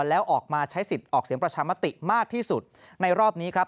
แล้วออกมาใช้สิทธิ์ออกเสียงประชามติมากที่สุดในรอบนี้ครับ